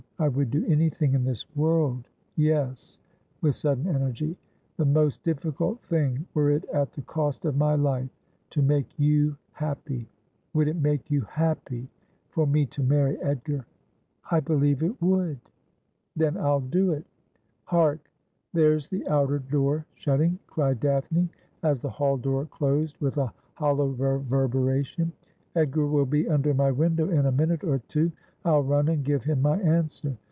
I would do anything in this world — yes,' with sudden energy, ' the most difficult thing, were it at the cost of my life — to make you happy. Would it make you happy for me to marry Edgar ?'' I believe it would.' ' Then I'll do it. Hark ! there's the outer door shutting,' cried Daphne, as the hall door closed with a hollow reverbera tion. ' Edgar will be under my window in a minute or two. I'll run and give him my answer.'